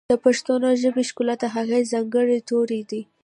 د پښتو ژبې ښکلا د هغې ځانګړي توري دي.